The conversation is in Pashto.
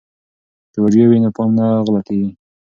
که ویډیو وي نو پام نه غلطیږي.